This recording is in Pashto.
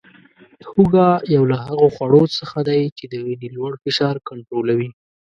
هوګه یو له هغو خوړو څخه دی چې د وینې لوړ فشار کنټرولوي